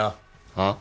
あっ？